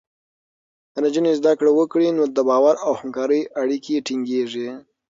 که نجونې زده کړه وکړي، نو د باور او همکارۍ اړیکې ټینګېږي.